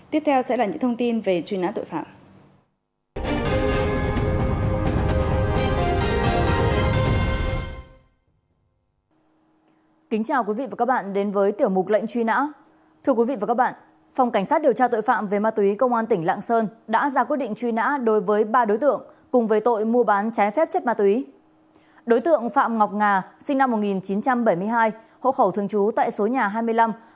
tiếp theo sẽ là tên gọi khác là nguyễn minh tâm